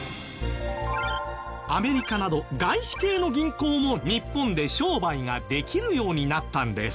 アメリカなど外資系の銀行も日本で商売ができるようになったんです。